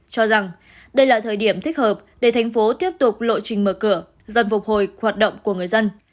cho rằng đây là thời điểm thích hợp để thành phố tiếp tục lộ trình mở cửa dần phục hồi hoạt động của người dân